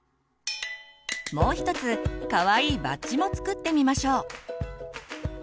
もう一つかわいいバッジも作ってみましょう。